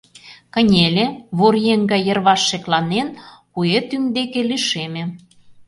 Кынеле, вор еҥ гай йырваш шекланен, куэ тӱҥ деке лишеме.